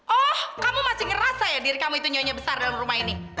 oh kamu masih ngerasa ya diri kamu itu nyonya besar dalam rumah ini